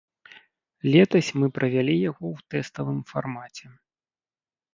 Летась мы правялі яго ў тэставым фармаце.